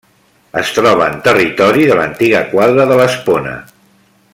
Es troba en territori de l'antiga quadra de l'Espona.